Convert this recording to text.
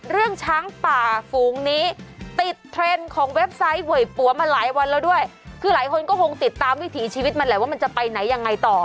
ช้างป่าฝูงนี้ติดเทรนด์ของเว็บไซต์เวยปัวมาหลายวันแล้วด้วยคือหลายคนก็คงติดตามวิถีชีวิตมันแหละว่ามันจะไปไหนยังไงต่อ